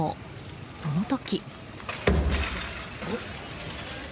その時。